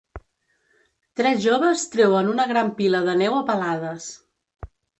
Tres joves treuen una gran pila de neu a palades.